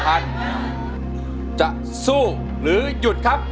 หล่นหล่นหล่น